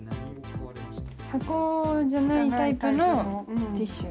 箱じゃないタイプのティッシュ。